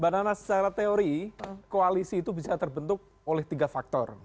mbak nana secara teori koalisi itu bisa terbentuk oleh tiga faktor